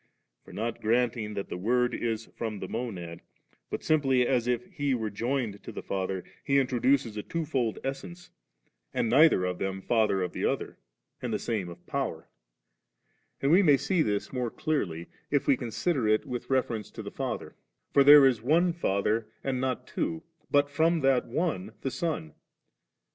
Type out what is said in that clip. For not granting that the Word is from the Monad, but simply as if He were joined to the Father, he introduces a twofold essence, and neither of them Father of the other. And the same of Power. And *Otl.Aa.ib • CtL5t,B.tt 4lbbXir. Mb t JohajLjab we may see this more deariy, if we con sider it with reference to the Father; for there is One Father, and not two, but from that One the Son.